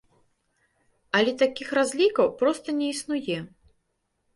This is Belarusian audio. Але такіх разлікаў проста не існуе.